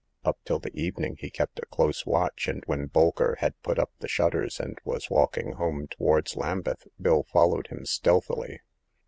Up till the evening he kept a close watch, and when Bolker had put up the shutters and was walking home towards Lambeth, Bill followed him stealthily.